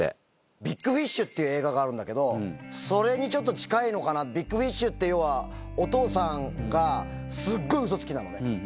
ビッグ・フィッシュっていう映画があるんだけど、それにちょっと近いのかな、ビッグ・フィッシュって、要は、お父さんがすっごいうそつきなのね。